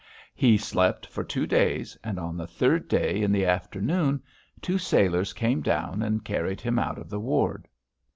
He slept for two days and on the third day in the afternoon two sailors came down and carried him out of the ward.